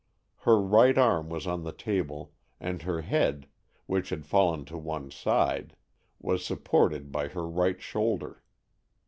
Her right arm was on the table, and her head, which had fallen to one side, was supported by her right shoulder.